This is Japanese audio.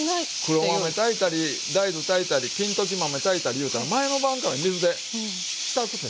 黒豆炊いたり大豆炊いたり金時豆炊いたりいうたら前の晩から水で浸すでしょ。